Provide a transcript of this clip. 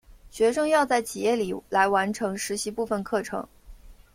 学生要在企业里来完成实习部分课程。